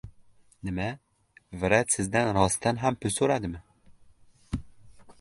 — Nima, vrach sizdan rostdan ham pul so‘radimi?